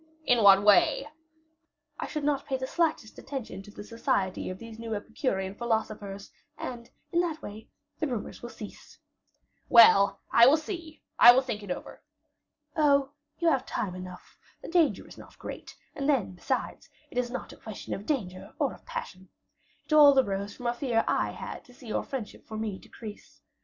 "In what way?" "I should not pay the slightest attention to the society of these new Epicurean philosophers; and, in that way, the rumors will cease." "Well, I will see; I will think it over." "Oh, you have time enough; the danger is not great; and then, besides, it is not a question of danger or of passion. It all arose from a fear I had to see your friendship for me decrease.